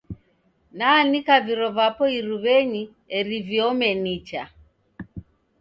Naanika viro vapo irumenyi eri viome nicha.